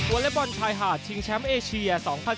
อเล็กบอลชายหาดชิงแชมป์เอเชีย๒๐๑๙